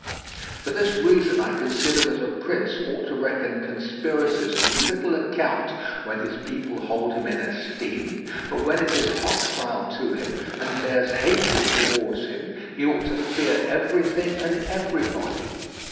For this reason I consider that a prince ought to reckon conspiracies of little account when his people hold him in esteem; but when it is hostile to him, and bears hatred towards him, he ought to fear everything and everybody.